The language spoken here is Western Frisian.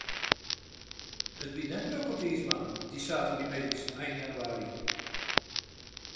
It wie net drok op de iisbaan, dy saterdeitemiddeis ein jannewaarje.